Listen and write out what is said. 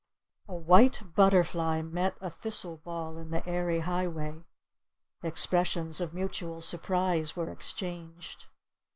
A white butterfly met a thistle ball in the airy highway. Expressions of mutual surprise were exchanged.